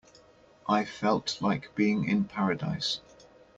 I felt like being in paradise.